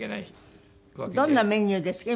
どんなメニューですか？